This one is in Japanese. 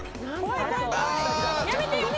やめて！